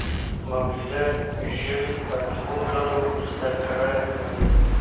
موجوده ژوي په دوو لارو زده کړه کوي.